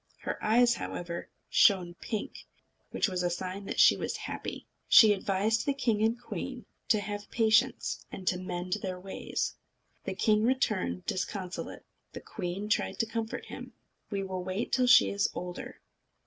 Her eyes, however, shone pink, which was a sign that she was happy. She advised the king and queen to have patience, and to mend their ways. The king returned disconsolate. The queen tried to comfort him. "We will wait till she is older.